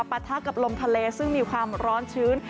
ปะทะกับลมทะเลซึ่งมีความร้อนชื้น